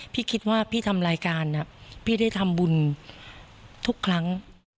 พี่คิดว่าพี่ทำรายการพี่ได้ทำบุญทุกครั้ง